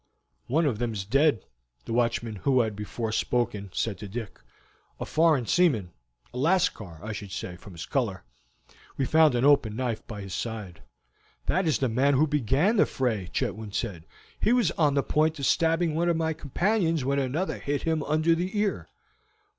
"One of them is dead," the watchman who had before spoken said to Dick. "A foreign seaman, a Lascar I should say, from his color; we found an open knife by his side." "That is the man who began the fray," Chetwynd said. "He was on the point of stabbing one of my companions when another hit him under the ear."